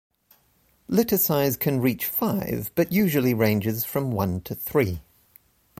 Litter size can reach five, but usually ranges from one to three.